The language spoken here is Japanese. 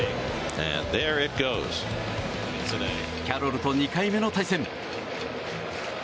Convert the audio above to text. キャロルと２回目の対戦。